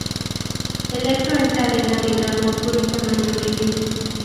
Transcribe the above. El lecho es de arena de grano oscuro y tamaño medio.